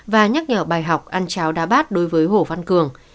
và nhắc nhở bài học ăn cháo đá bát đối với hồ văn cường